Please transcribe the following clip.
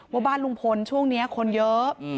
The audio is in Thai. ว่าบ้านลุงพลช่วงนี้คนเยอะ